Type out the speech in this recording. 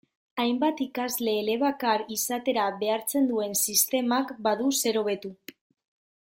Hainbat ikasle elebakar izatera behartzen duen sistemak badu zer hobetu.